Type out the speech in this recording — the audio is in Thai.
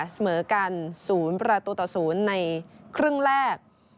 เสมอกัน๐ประตูต่อ๐ในครึ่งแรก